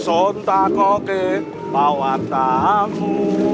sontakoke bawat tamu